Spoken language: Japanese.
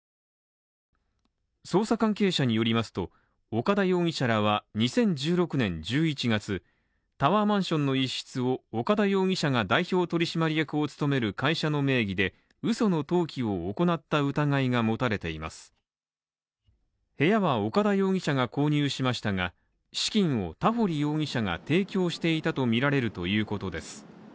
捜査関係者によりますと岡田容疑者らは２０１６年１１月タワーマンションの一室を岡田容疑者が代表取締役を務める会社の名義でうその登記を行った疑いが持たれています部屋は岡田容疑者が購入しましたが、資金を田堀容疑者が提供していたとみられるということです。